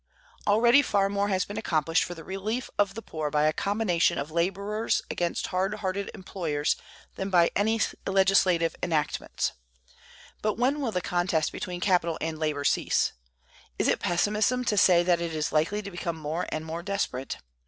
Already far more has been accomplished for the relief of the poor by a combination of laborers against hard hearted employers than by any legislative enactments; but when will the contest between capital and labor cease? Is it pessimism to say that it is likely to become more and more desperate?